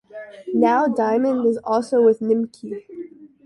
Now Diamond is also with Nimki.